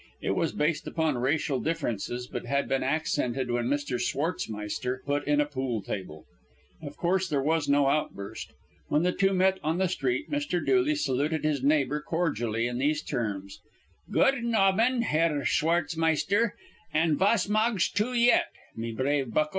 It was based upon racial differences, but had been accented when Mr. Schwartzmeister put in a pool table. Of course there was no outburst. When the two met on the street, Mr. Dooley saluted his neighbor cordially, in these terms: "Good nobben, Hair Schwartzmeister, an' vas magst too yet, me brave bucko!"